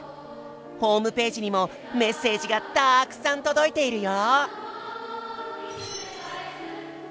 ホームページにもメッセージがたくさん届いているよ！